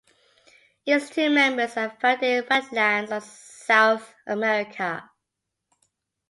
Its two members are found in wetlands of South America.